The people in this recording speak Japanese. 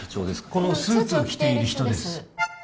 このスーツを着ている人です